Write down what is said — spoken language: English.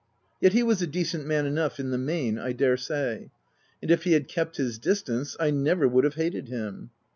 Yet he was a decent man enough, in the main, I dare say ; and if he had kept his distance, I never would have hated him.